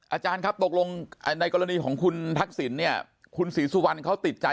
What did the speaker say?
อาจารย์ครับตกลงในกรณีของคุณทักษิณเนี่ยคุณศรีสุวรรณเขาติดใจ